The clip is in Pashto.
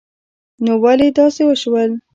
نو ولی داسی وشول